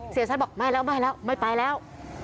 เสียชัดบอกไม่แล้วไม่ไปแล้ว